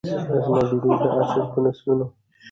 آزمیېلی دی دا اصل په نسلونو